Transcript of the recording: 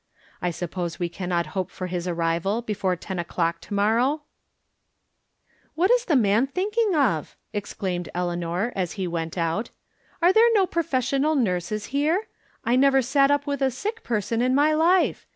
I suppose we can not hope for his arrival before ten o'clock to morrow ?" 190 From Different Standpoints. "What is tlie man thinking of?" exclaimed Eleanor, as he went out. " Are there no profes sional nurses here ? I never sat up with a sick person in my life